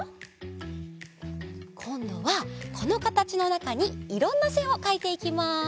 こんどはこのかたちのなかにいろんなせんをかいていきます。